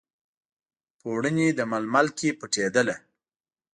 پوړني، د ململ کې پټیدله